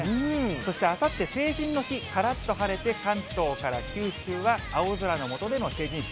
そして、あさって成人の日、からっと晴れて、関東から九州は青空のもとでの成人式。